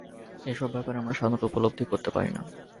এ-সব ব্যাপার আমরা সাধারণত উপলব্ধি করতে পারি না।